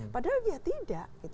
padahal ya tidak